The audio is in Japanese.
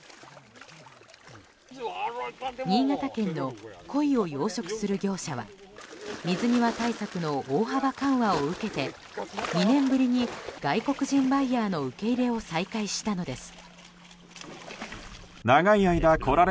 新潟県の鯉を養殖する業者は水際対策の大幅緩和を受けて２年ぶりに、外国人バイヤーの受け入れを再開したのです。